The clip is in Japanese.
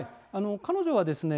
彼女はですね